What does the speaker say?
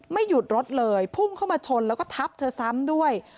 หยุดรถเลยพุ่งเข้ามาชนแล้วก็ทับเธอซ้ำด้วย